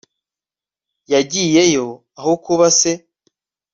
yagiyeyo aho kuba se